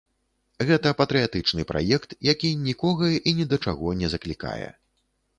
Гэта патрыятычны праект, які нікога і ні да чаго не заклікае.